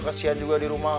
kesian juga di rumah